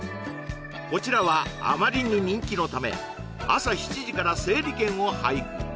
こちらはあまりに人気のため朝７時から整理券を配布